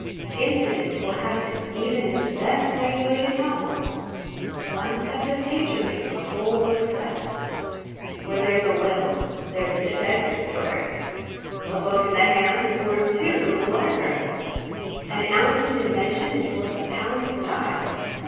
Incidents will happen even in the best regulated novels. One touch of Nature makes the whole book sell. Where there's a will there's a detective story. A book in the hand is worth two in the library. An ounce of invention is worth a pound of style.